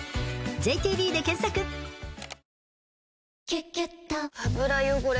「キュキュット」油汚れ